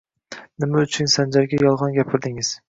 Nima uchun Sanjarga yolg‘on gapirdingiz